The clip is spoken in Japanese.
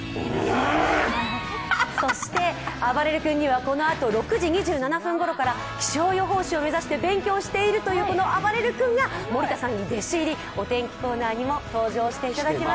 そして、あばれる君にはこのあと６時２７分ごろから気象予報士を目指して勉強しているというあばれる君が森田さんに弟子入り、お天気コーナーにも登場していただきます。